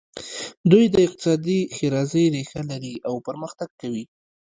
دوی د اقتصادي ښېرازۍ ریښه لري او پرمختګ کوي.